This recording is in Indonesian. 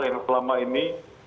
yang selama ini